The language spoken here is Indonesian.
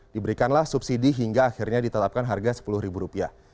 diberikanlah subsidi hingga akhirnya ditetapkan harga sepuluh ribu rupiah